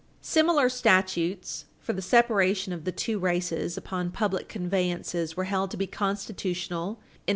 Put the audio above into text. Similar statutes for the separation of the to races upon public conveyances were held to be constitutional in West Chester &c.